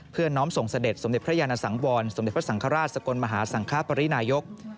น้อมส่งเสด็จสมเด็จพระยานสังวรสมเด็จพระสังฆราชสกลมหาสังคปรินายก